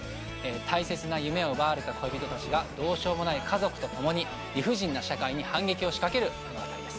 大切な夢を奪われた恋人たちがどうしようもない家族と共に理不尽な社会に反撃を仕掛ける物語です。